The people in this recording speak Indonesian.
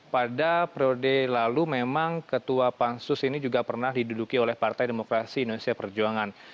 pada periode lalu memang ketua pansus ini juga pernah diduduki oleh partai demokrasi indonesia perjuangan